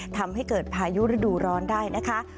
ทำให้เกิดพายุฤดูร้อนได้นะคะ